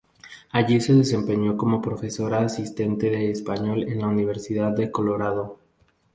Allí se desempeñó como profesora asistente de Español en la Universidad de Colorado.